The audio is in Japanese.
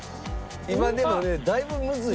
今でもねだいぶむずい。